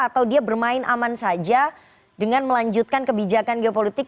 atau dia bermain aman saja dengan melanjutkan kebijakan geopolitik